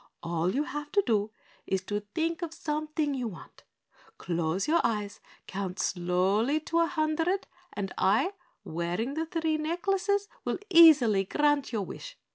"All you have to do is to think of something you want, close your eyes, count slowly to a hundred, and I, wearing the three necklaces, will easily grant your wish.